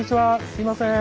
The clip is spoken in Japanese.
すいません。